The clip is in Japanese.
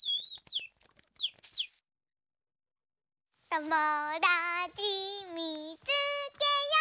「ともだちみつけよう」